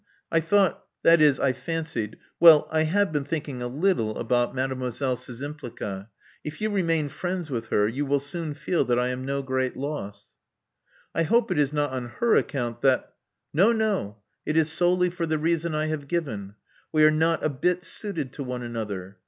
I thought — that is, I fancied Well, I have been thinking a little about Mdlle. Szczympliga. If you remain friends with her, you will soon feel that I am no great loss." I hope it is not on her account that " No, no. It is solely for the reason I have given. We are not a bit suited to one another.